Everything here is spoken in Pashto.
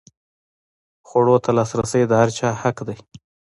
خوړو ته لاسرسی د هر چا حق دی.